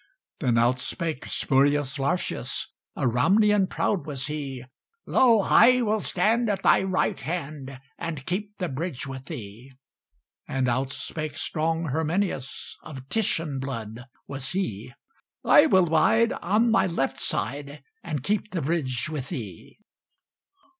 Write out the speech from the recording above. Then out spake Spurius Lartius, A Ramnian proud was he: "Lo, I will stand at thy right hand, And keep the bridge with thee." And out spake strong Herminius, Of Titian blood was he: "I will abide on thy left side, And keep the bridge with thee."